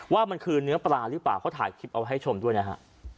ว่ามันคือเนื้อปลาหรือเปล่าเขาถ่ายคลิปเอาไว้ให้ชมด้วยนะฮะ